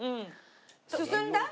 進んだ？